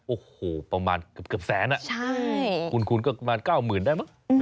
โอ้โหประมาณเกือบแสนน่ะคูณก็ประมาณเก้าหมื่นได้มั้ยอืม